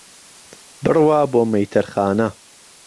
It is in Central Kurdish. بڕوا بۆ مەيتهرخانه